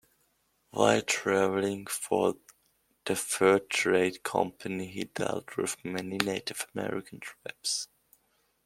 While traveling for the fur trade company he dealt with many Native American tribes.